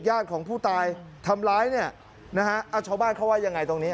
ญาติของผู้ตายทำร้ายเนี่ยนะฮะเอาชาวบ้านเขาว่ายังไงตรงนี้